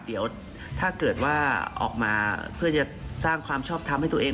เดี๋ยวถ้าเกิดว่าออกมาเพื่อจะสร้างความชอบทำให้ตัวเอง